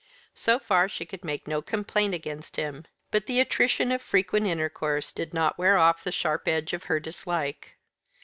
So far she could make no complaint against him. But the attrition of frequent intercourse did not wear off the sharp edge of her dislike.